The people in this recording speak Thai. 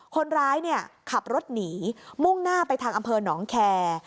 คนร้ายขับรถหนีมุ่งหน้าไปทางอำเภอหนองแคร์